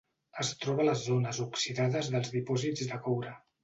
Es troba a les zones oxidades dels dipòsits de coure.